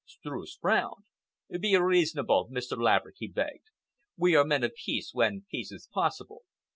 Streuss frowned. "Be reasonable, Mr. Laverick," he begged. "We are men of peace—when peace is possible.